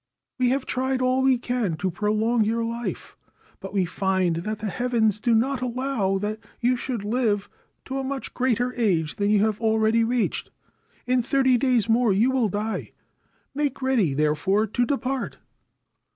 We have tried all we can to prolong your life ; but we find that the Heavens do not allow that you should live to a much greater age than you have already reached. In thirty more days you will die. Make ready, therefore, to depart.'